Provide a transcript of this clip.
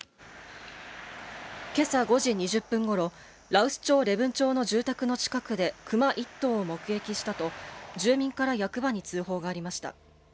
けさ５時２０分ごろ羅臼町礼文町の住宅の近くでクマ１頭を目撃したと住民から役場に通報がありました。